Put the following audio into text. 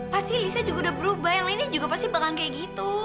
pasti listnya juga udah berubah yang ini juga pasti bakal kayak gitu